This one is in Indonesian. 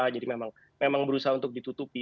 jadi memang berusaha untuk ditutupi